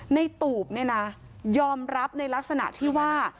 ตูบเนี่ยนะยอมรับในลักษณะที่ว่า